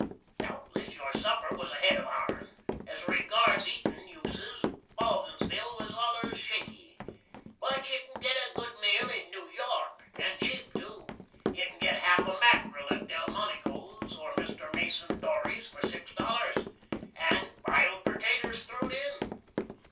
Dowtless, your supper was ahead of our'n. As regards eatin' uses, Baldinsville was allers shaky. But you can git a good meal in New York, & cheap to. You can git half a mackril at Delmonico's or Mr. Mason Dory's for six dollars, and biled pertaters throw'd in.